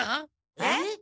えっ？